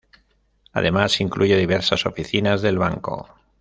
Además, incluye diversas oficinas del banco.